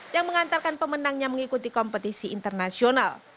yang mengantarkan pemenangnya mengikuti kompetisi internasional